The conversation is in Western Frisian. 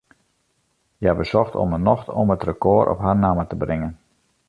Hja besocht om 'e nocht om it rekôr op har namme te bringen.